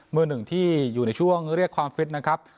มือหนึ่งที่อยู่ในช่วงเรียกความฟิตนะครับ